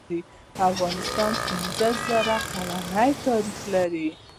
افغانستان پنځه زر کلن تاریخ لري.